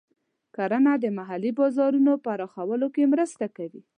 کرنه د محلي بازارونو پراخولو کې مرسته کوي.